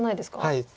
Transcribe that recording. はい。